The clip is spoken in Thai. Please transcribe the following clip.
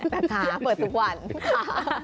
นะคะเปิดทุกวันค่ะ